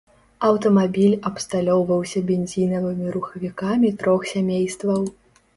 Аўтамабіль абсталёўваўся бензінавымі рухавікамі трох сямействаў.